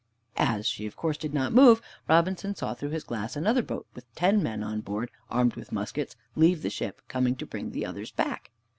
As she of course did not move, Robinson saw through his glass another boat with ten men on board, armed with muskets, leave the ship, coming to bring the others back.